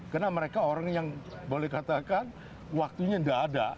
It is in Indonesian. karena mereka orang yang boleh dikatakan waktunya tidak ada